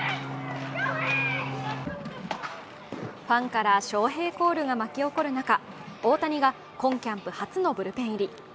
ファンから翔平コールが巻き起こる中、大谷が今キャンプ初のブルペン入り。